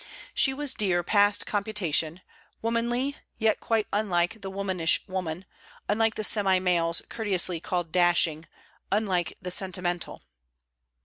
She was dear past computation, womanly, yet quite unlike the womanish woman, unlike the semi males courteously called dashing, unlike the sentimental.